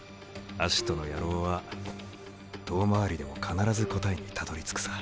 アシトの野郎は遠回りでも必ず答えにたどりつくさ。